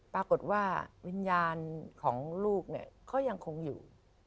ปรากฏว่าวิญญาณของลูกเนี่ยก็ยังคงอยู่